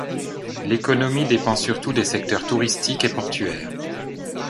L'économie dépend surtout des secteurs touristiques et portuaires.